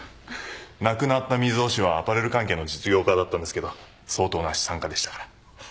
亡くなった水尾氏はアパレル関係の実業家だったんですけど相当な資産家でしたから。